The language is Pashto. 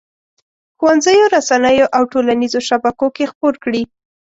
ښوونځیو، رسنیو او ټولنیزو شبکو کې خپور کړي.